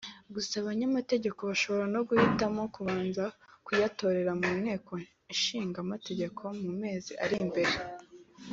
gusa abanyamategeko bashobora no guhitamo kubanza kuyatora mu Nteko Ishinga Amategeko mu mezi ari imbere